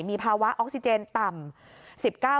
มีภาวะออกซิเจนต่ำ